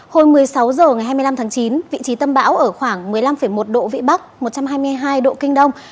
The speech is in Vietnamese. hồi một mươi sáu h ngày hai mươi năm tháng chín vị trí tâm bão ở khoảng một mươi năm một độ vĩ bắc một trăm hai mươi hai độ kinh đông